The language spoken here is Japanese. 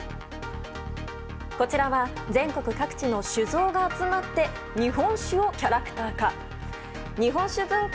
こちらは全国各地の酒蔵が集まって日本酒をキャラクター化。